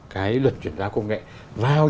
cái luật chuyển giao công nghệ vào